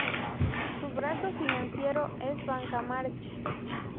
Su brazo financiero es Banca March.